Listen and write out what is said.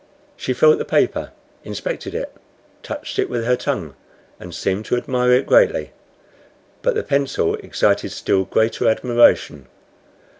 She felt the paper, inspected it, touched it with her tongue, and seemed to admire it greatly; but the pencil excited still greater admiration.